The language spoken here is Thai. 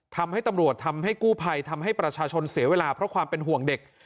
ทำให้ตำรวจทำให้กู้ภัยทำให้ประชาชนเสียเวลาเพราะความเป็นห่วงเด็ก